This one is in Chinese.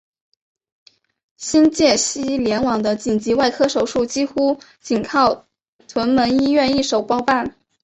新界西联网的紧急外科手术几乎仅靠屯门医院一手包办。